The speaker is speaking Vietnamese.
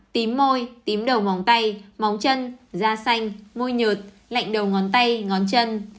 tím môi tím đầu móng tay móng chân da xanh môi nhượt lạnh đầu ngón tay ngón chân